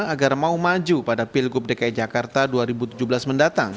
agar mau maju pada pilgub dki jakarta dua ribu tujuh belas mendatang